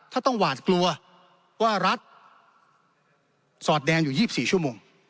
ถ้าต้องหวาดกลัวว่ารัฐสอดแดงอยู่๒๔ชั่วโมง